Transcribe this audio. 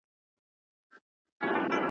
او پر زړه یې د شیطان سیوری را خپور سي ,